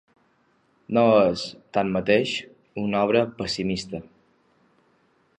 No és, tanmateix, una obra pessimista.